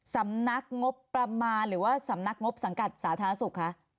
สำนักงบประมาณหรือว่าสำนักงบสังกัดสาธารณสุขคะ